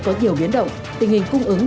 có nhiều biến động tình hình cung ứng